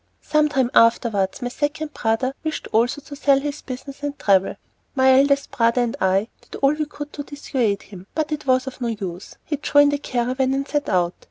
Some time afterwards my second brother wished also to sell his business and travel. My eldest brother and I did all we could to dissuade him, but it was of no use. He joined a caravan and set out.